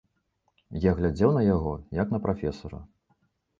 Я глядзеў на яго, як на прафесара.